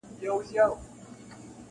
له کابله تر بنګاله یې وطن وو-